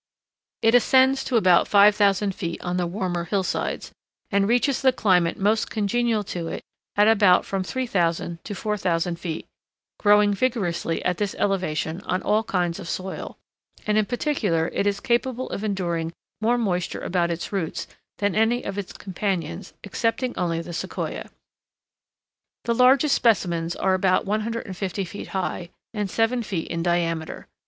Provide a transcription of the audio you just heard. It ascends to about 5000 feet on the warmer hillsides, and reaches the climate most congenial to it at about from 3000 to 4000 feet, growing vigorously at this elevation on all kinds of soil, and in particular it is capable of enduring more moisture about its roots than any of its companions, excepting only the Sequoia. The largest specimens are about 150 feet high, and seven feet in diameter.